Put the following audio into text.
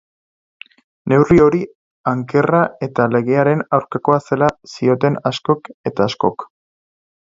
Neurri hori ankerra eta legearen aurkakoa zela zioten askok eta askok.